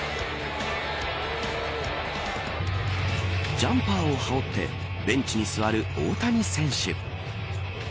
ジャンパーを羽織ってベンチに座る大谷選手。